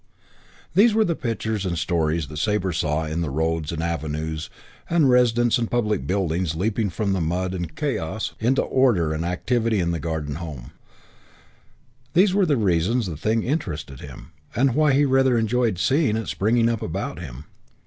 These were the pictures and the stories that Sabre saw in the roads and avenues and residences and public buildings leaping from mud and chaos into order and activity in the Garden Home; these were the reasons the thing interested him and why he rather enjoyed seeing it springing up about him.